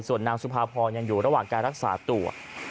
ส่วนนางสุภาพรยังอยู่ระหว่างการรักษาตัว